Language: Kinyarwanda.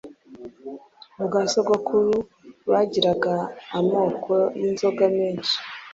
Ku bwa sogokuru bagiraga amako y’inzoga menshi